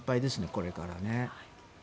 これからね。